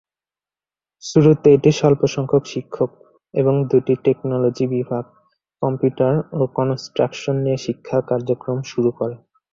শুরুতে এটি সল্প সংখ্যক শিক্ষক এবং দুটি টেকনোলজি বিভাগ কম্পিউটার ও কনস্ট্রাকশন নিয়ে শিক্ষা কার্যক্রম শুরু করে।